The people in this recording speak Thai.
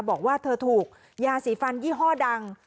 บอกว่าเธอถูกยาสีฟันยี่ห้อดัง